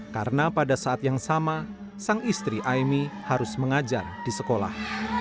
karena pada saat yang sama sang istri aimi harus mengajar di sekolah